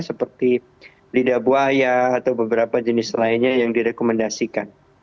seperti lidah buaya atau beberapa jenis lainnya yang direkomendasikan